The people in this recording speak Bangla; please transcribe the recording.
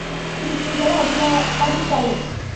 কিন্তু চিন্তাভাবনা আদীমকালের।